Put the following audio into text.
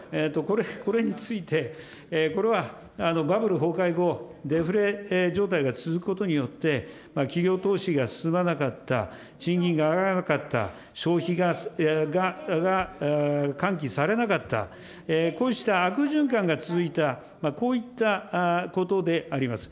これについて、これは、バブル崩壊後、デフレ状態が続くことによって、企業投資が進まなかった、賃金が上がらなかった、消費が喚起されなかった、こうした悪循環が続いた、こういったことであります。